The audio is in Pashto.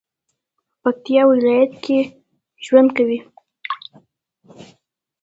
په پکتیا ولایت کې ژوند کوي